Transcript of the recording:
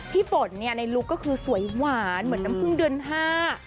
ฝนเนี่ยในลุคก็คือสวยหวานเหมือนน้ำพึ่งเดือนห้า